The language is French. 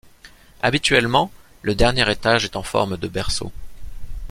Habituellement, le dernier étage est en forme de berceau.